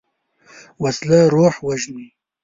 وسله روح وژني